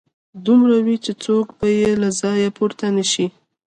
دومره وي چې څوک به يې له ځايه پورته نشي